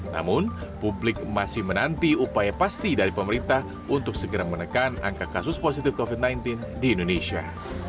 namun publik masih menanti upaya pasti dari pemerintah untuk segera menekan angka kasus positif covid sembilan belas di indonesia